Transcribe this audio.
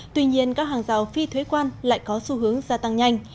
tuy nhiên các hàng rào phi thuế quan lại có xu hướng gia tăng nhanh